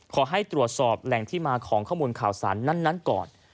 ขอให้ตรวจสอบแหล่งที่มาของข้อมูลข่าวสารนั้นก่อน